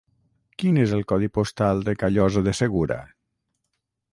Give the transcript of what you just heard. Quin és el codi postal de Callosa de Segura?